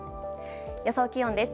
予想気温です。